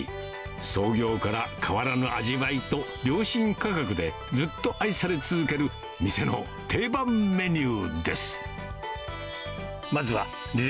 創業から変わらぬ味わいと良心価格で、ずっと愛され続ける店の定番メニューです。